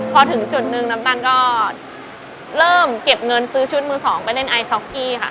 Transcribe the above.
พอถึงจุดนึงน้ำตาลก็เริ่มเก็บเงินซื้อชุดมือสองไปเล่นไอซ็อกกี้ค่ะ